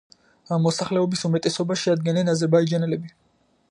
მოსახლეობის უმეტესობას შეადგენენ აზერბაიჯანელები.